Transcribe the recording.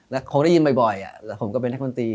แล้วเขาได้ยินบ่อยผมก็เป็นแท่กมตี